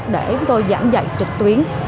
để chúng tôi giảng dạy trực tuyến